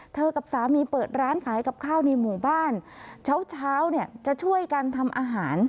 กับสามีเปิดร้านขายกับข้าวในหมู่บ้านเช้าเช้าเนี่ยจะช่วยกันทำอาหาร